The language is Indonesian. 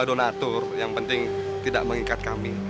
mereka menerima donatur yang penting tidak mengikat kami